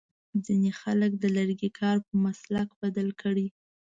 ځینې خلک د لرګي کار په مسلک بدل کړی.